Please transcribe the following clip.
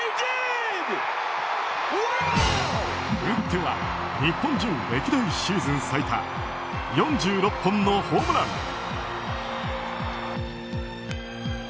打っては日本人歴代シーズン最多４６本のホームラン。